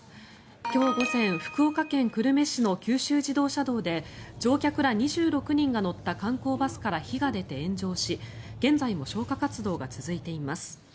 今日午前福岡県久留米市の九州自動車道で乗客ら２６人が乗った観光バスから火が出て炎上し現在も消火活動が続いています。